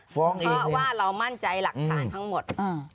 เพราะว่าเรามั่นใจหลักฐานทั้งหมด